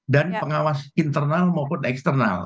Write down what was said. dan pengawas internal maupun eksternal